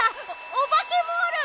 オバケモール！